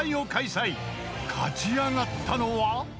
［勝ち上がったのは］